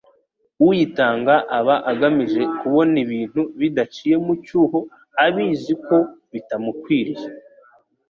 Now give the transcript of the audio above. Uyitanga aba agamije kubona ibintu bidaciye mu mucyo abizi ko bitamukwiriye.